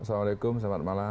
assalamualaikum selamat malam